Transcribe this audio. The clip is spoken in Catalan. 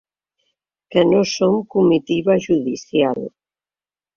Que no som comitiva judicial.